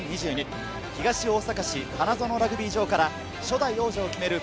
東大阪市花園ラグビー場から初代王者を決める